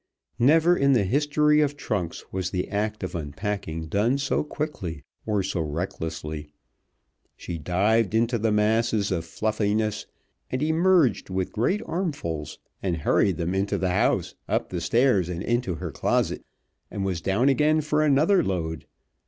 Never in the history of trunks was the act of unpacking done so quickly or so recklessly. She dived into the masses of fluffiness and emerged with great armfuls, and hurried them into the house, up the stairs, and into her closet, and was down again for another load.